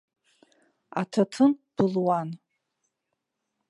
Аҭаҭын былуан.